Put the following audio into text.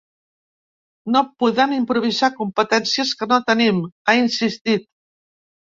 No podem improvisar competències que no tenim, ha insistit.